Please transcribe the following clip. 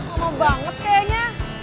lama banget kayaknya